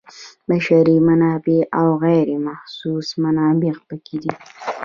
بشري منابع او غیر محسوس منابع پکې دي.